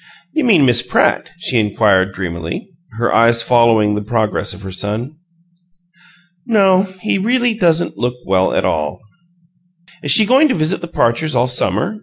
"You mean Miss Pratt?" she inquired, dreamily, her eyes following the progress of her son. "No, he really doesn't look well at all." "Is she going to visit the Parchers all summer?"